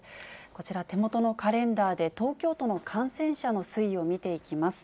こちら、手元のカレンダーで、東京都の感染者の推移を見ていきます。